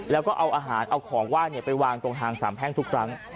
แล้วก็เอาอาหารเอาของไหว้ไปวางตรงทางสามแพ่งทุกครั้ง